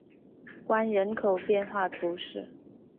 关人口变化图示